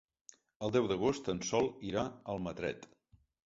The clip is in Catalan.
El deu d'agost en Sol irà a Almatret.